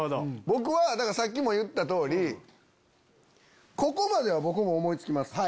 僕はさっきも言った通りここまでは僕も思いつきます。